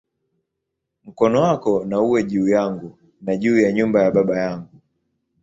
Mkono wako na uwe juu yangu, na juu ya nyumba ya baba yangu"!